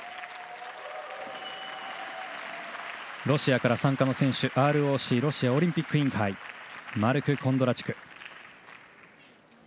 ロシアから参加の選手ＲＯＣ＝ロシアオリンピック委員会マルク・コンドラチュク。